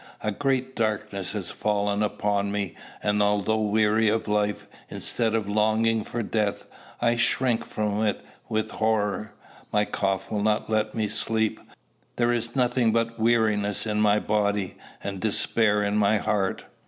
A great darkness has fallen upon me; and although weary of life, instead of longing for death, I shrink from it with horror. My cough will not let me sleep: there is nothing but weariness in my body, and despair in my heart.